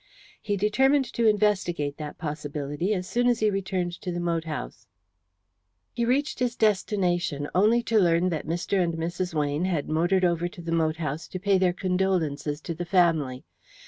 He determined to investigate that possibility as soon as he returned to the moat house. He reached his destination only to learn that Mr. and Mrs. Weyne had motored over to the moat house to pay their condolences to the family.